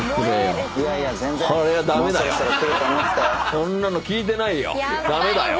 こんなの聞いてないよ。